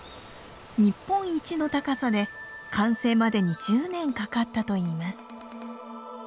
日本一の高さで完成までに１０年かかったといいます。